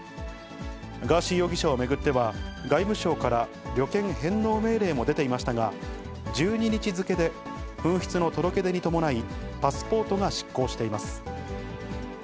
ガーシー容疑者を巡っては、外務省から旅券返納命令も出ていましたが、１２日付で紛失の届け出に伴い、パスポートが失効しています。